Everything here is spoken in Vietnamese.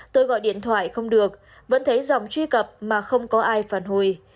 tôi gọi điện thoại không được vẫn thấy dòng truy cập mà không có ai phản hồi